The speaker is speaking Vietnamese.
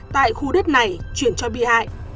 tại khu đất này chuyển cho bi hại